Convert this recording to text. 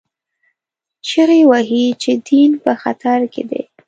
چیغې وهي چې دین په خطر کې دی